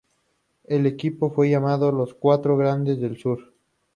El equipo fue llamado "Los Cuatro Grandes del Sur".